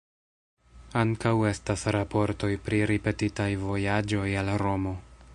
Ankaŭ estas raportoj pri ripetitaj vojaĝoj al Romo.